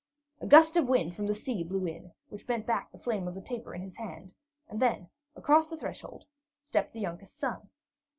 A gust of wind from the sea blew in, which bent back the flame of the taper in his hand, and then across the threshold stepped the youngest son.